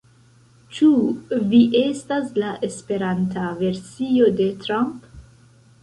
Ĉu vi estas la esperanta versio de Trump?